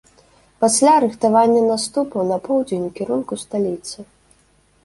Пасля рыхтаванне наступу на поўдзень у кірунку сталіцы.